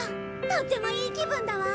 とってもいい気分だわ。